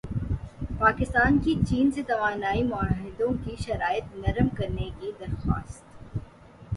پاکستان کی چین سے توانائی معاہدوں کی شرائط نرم کرنے کی درخواست